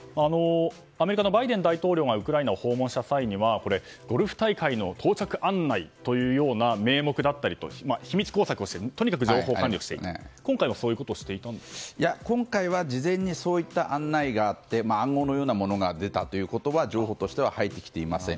アメリカのバイデン大統領がウクライナを訪問した際にはゴルフ大会の到着案内という名目だったりという秘密工作をして、とにかく情報管理していましたが今回は事前にそういった案内があって暗号のようなものが出たということは情報としては入ってきていません。